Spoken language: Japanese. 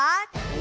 お！